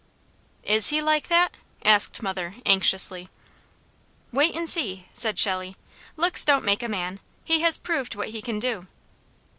"Is he like that?" asked mother anxiously. "Wait and see!" said Shelley. "Looks don't make a man. He has proved what he can do."